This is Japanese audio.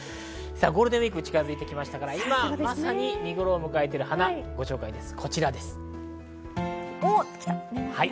ゴールデンウイーク近づいてきましたから、今まさに見頃を迎えている花をご紹介します。